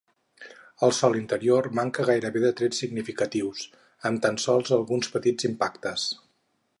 El sòl interior manca gairebé de trets significatius, amb tan sols alguns petits impactes.